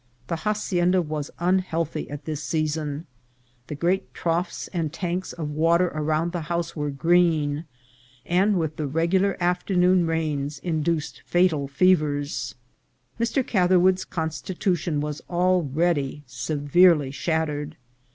The hacienda was unhealthy at this season ; the great troughs and tanks of water around the house were green, and, with the regular af ternoon rains, induced fatal fevers. Mr. Catherwood's constitution was already severely shattered.